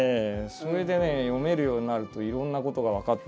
それでね読めるようになるといろんなことが分かってきて。